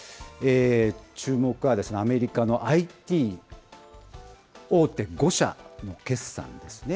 注目は、アメリカのＩＴ大手５社の決算ですね。